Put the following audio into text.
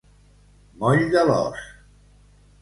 Moll de l'os.